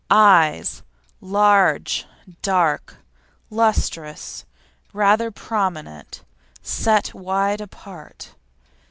EYES Large, dark, lustrous, rather prominent, and set wide apart.